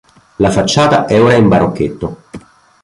La facciata è ora in barocchetto.